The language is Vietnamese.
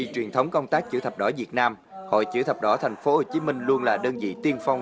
trong năm hai nghìn một mươi sáu hội chữ thập đỏ thành phố đã có bảy mươi gương điển hình qua diệt thiện